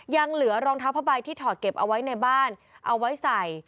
ยังเหลือรองเท้าผ้าใบที่ถอดเก็บเอาไว้ในบ้านเอาไว้ใส่